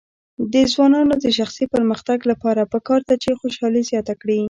د ځوانانو د شخصي پرمختګ لپاره پکار ده چې خوشحالي زیاته کړي.